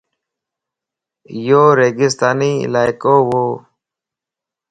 ايو ريگستاني علاقو وَ